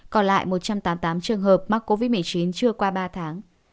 còn lại một trăm tám mươi tám trường hợp mắc covid một mươi chín chưa qua ba tháng